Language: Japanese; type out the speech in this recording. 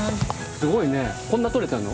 すごいねこんなとれたの？